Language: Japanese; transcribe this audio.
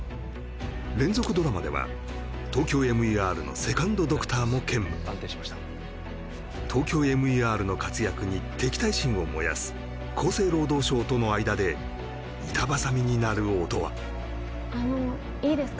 連続ドラマではＴＯＫＹＯＭＥＲのセカンドドクターも兼務ＴＯＫＹＯＭＥＲの活躍に敵対心を燃やす厚生労働省との間で板挟みになる音羽あのいいですか？